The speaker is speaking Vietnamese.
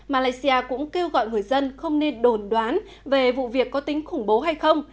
malaysia cũng kêu gọi người dân không nên đồn đoán về vụ việc có tính khủng bố hay không